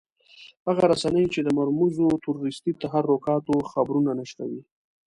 هغه رسنۍ چې د مرموزو تروريستي تحرکاتو خبرونه نشروي.